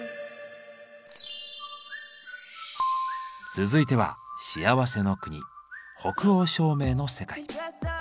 続いては幸せの国北欧照明の世界。